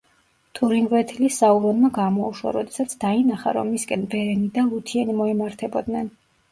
თურინგვეთილი საურონმა გამოუშვა, როდესაც დაინახა, რომ მისკენ ბერენი და ლუთიენი მოემართებოდნენ.